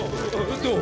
どう？